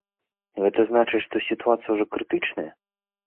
Гэта значыць, што сітуацыя ўжо крытычная?